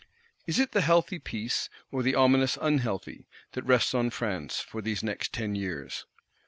Is it the healthy peace, or the ominous unhealthy, that rests on France, for these next Ten Years?